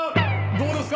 どうですか？